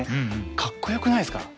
かっこよくないですか？